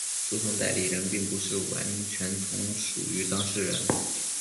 诉讼代理人并不是完全从属于当事人。